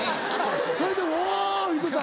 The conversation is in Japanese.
それで「おぉ！」言うてたの？